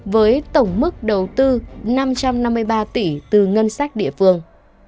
với tổng mức đầu tư năm trăm năm mươi ba tỷ từ ngân sách địa phương